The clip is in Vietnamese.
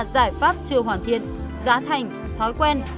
giải pháp chưa hoàn thiện giá thành thói quen